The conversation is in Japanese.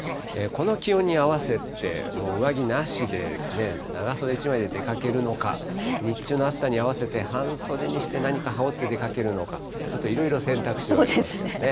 この気温に合わせて、もう上着なしで、長袖１枚で出かけるのか、日中の暑さに合わせて半袖にして何か羽織って出かけるのか、ちょっといろいろ選択肢がありますけどね。